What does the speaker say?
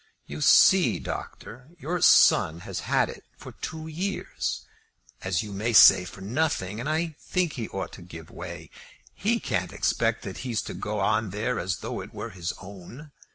"You see, doctor, your son has had it for two years, as you may say for nothing, and I think he ought to give way. He can't expect that he's to go on there as though it were his own."